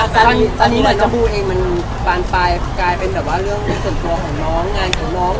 ตอนนี้เราจะพูดเองมันปานไปกลายเป็นเรื่องในส่วนตัวของน้อง